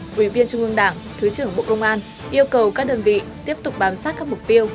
quý viên trung ương đảng thứ trưởng bộ công an yêu cầu các đơn vị tiếp tục bám sát các mục tiêu